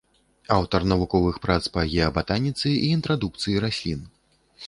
Аўтар навуковых прац па геабатаніцы і інтрадукцыі раслін.